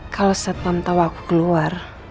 kalau setelah tahu aku keluar